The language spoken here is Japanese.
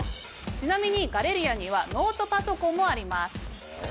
ちなみにガレリアにはノートパソコンもあります。